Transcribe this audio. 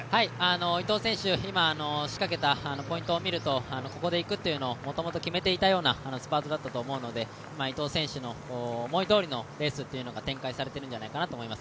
伊藤選手、今、仕掛けたポイントを見るとここで行くというのをもともと決めていたというスパートだったと思うので、伊藤選手の思いどおりのペースが展開されているんじゃないかなと思います。